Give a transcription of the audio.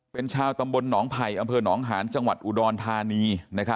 เป็นชาวตำบลหนองไผ่อำเภอหนองหาญจังหวัดอุดรธานี